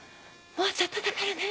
もうちょっとだからね！